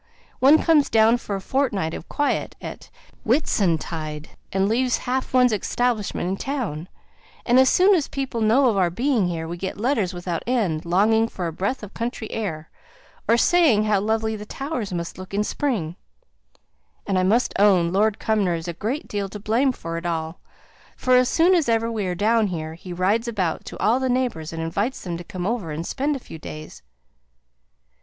One comes down for a fortnight of quiet, at Whitsuntide, and leaves half one's establishment in town, and as soon as people know of our being here, we get letters without end, longing for a breath of country air, or saying how lovely the Towers must look in spring; and I must own, Lord Cumnor is a great deal to blame for it all, for as soon as ever we are down here, he rides about to all the neighbours, and invites them to come over and spend a few days."